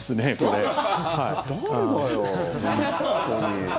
誰だよ、本当に。